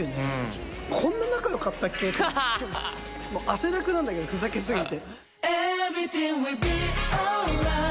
汗だくなんだけど、ふざけ過ぎて。